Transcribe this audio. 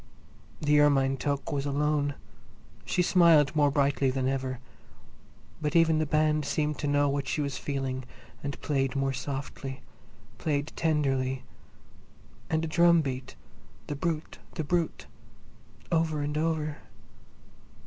The ermine toque was alone; she smiled more brightly than ever. But even the band seemed to know what she was feeling and played more softly, played tenderly, and the drum beat, "The Brute! The Brute!" over and over.